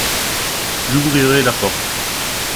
J’ouvrirai la porte.